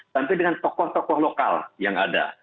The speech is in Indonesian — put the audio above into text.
sampai dengan tokoh tokoh lokal yang ada